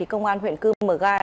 cơ quan huyện cư mờ ga